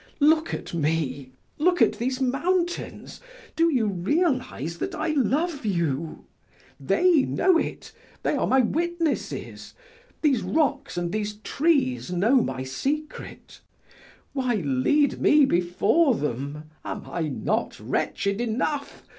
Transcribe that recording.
Look at me, look at these mountains; do you realize that I love you? They know it, they are my witnesses; these rocks and these trees know my secret. Why lead me before them? Am I not wretched enough?